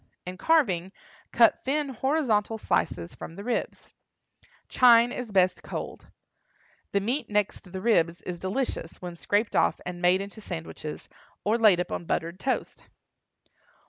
In carving, cut thin horizontal slices from the ribs. Chine is best cold. The meat next the ribs is delicious when scraped off and made into sandwiches, or laid upon buttered toast.